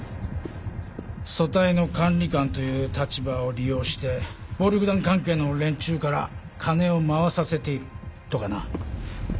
組対の管理官という立場を利用して暴力団関係の連中から金を回させているとかな。